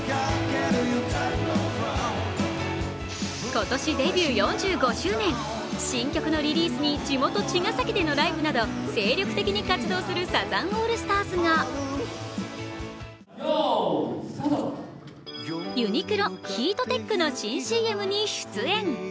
今年デビュー４５周年、新曲のリリースに地元・茅ヶ崎でのライブなど精力的に活躍するサザンオールスターズがユニクロ・ヒートテックの新ＣＭに出演。